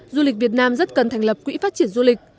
du lịch việt nam rất cần thành lập quỹ phát triển du lịch